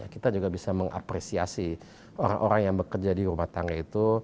kita juga bisa mengapresiasi orang orang yang bekerja di rumah tangga itu